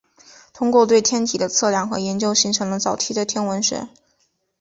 通过对天体的测量和研究形成了早期的天文学。